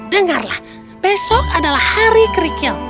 dengarlah besok adalah hari kerikil